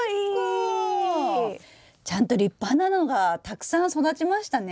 ちゃんと立派なのがたくさん育ちましたね！ね！